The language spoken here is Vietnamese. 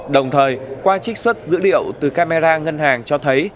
đồng thời qua trích xuất dữ liệu từ camera ngân hàng cho thấy